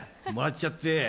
もらっちゃって。